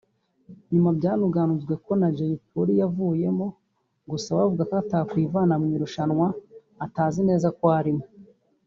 nyuma byanuganuzwe ko na Jay Polly yavuyemo gusa we avuga ko ‘atakwivana mu irushanwa atazi neza ko arimo’